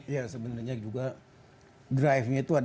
ya sebenarnya juga driving itu